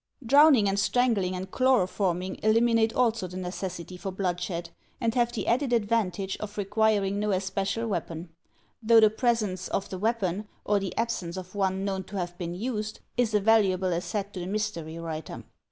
Drowning and strangling and chloroforming eliminate also the necessity for bloodshed, and have the added advantage of requiring no especial weapon; though the presence of the weapon, or the absence of one known to have been used, is a valuable asset to the mystery writer.